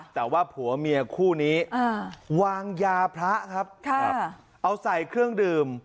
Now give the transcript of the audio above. แต่ว่าผัวเมียคู่นี้วางยาพระครับเอาใส่เครื่องดื่ม